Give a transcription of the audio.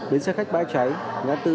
đến xe khách bãi cháy ngã tư